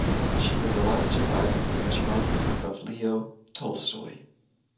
She was the last surviving grandchild of Leo Tolstoy.